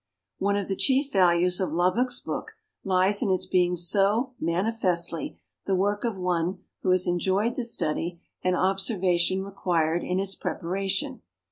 One of the chief values of Lubbock's book lies in its being so mani festly the work of one who has enjoyed the study and observation requii'ed in its preparation.